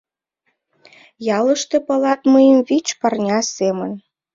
Ялыште палат мыйым вич парня семын: